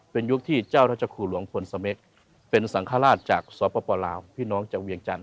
เป็นยุคที่เจ้าราชครูหลวงพลสเม็กเป็นสังฆราชจากสปลาวพี่น้องจากเวียงจันท